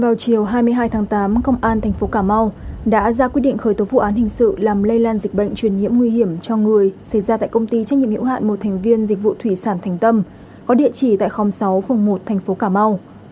vào chiều hai mươi hai tháng tám công an thành phố cà mau đã ra quyết định khởi tố vụ án hình sự làm lây lan dịch bệnh truyền nhiễm nguy hiểm cho người xảy ra tại công ty trách nhiệm hiệu hạn một thành viên dịch vụ thủy sản thành tâm có địa chỉ tại khóm sáu phường một thành phố cà mau